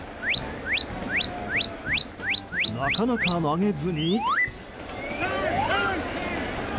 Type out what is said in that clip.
なかなか投げずに。